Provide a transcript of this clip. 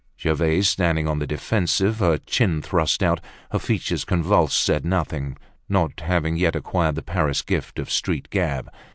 Gervaise, standing on the defensive, her chin thrust out, her features convulsed, said nothing, not having yet acquired the Paris gift of street gab.